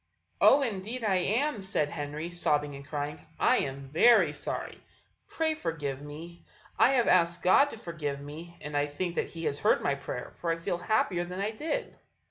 "Oh, indeed I am!" said Henry, sobbing and crying; "I am very sorry, pray forgive me. I have asked God to forgive me; and I think that He has heard my prayer, for I feel happier than I did."